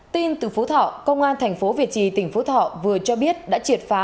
tin từ phú thọ công an thành phố việt trì tỉnh phú thọ vừa cho biết đã triệt phá